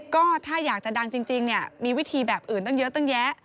ก็ถ้าอยากจะดังจริงมีวิธีแบบอื่นตั้งเยอะตั้งแยะ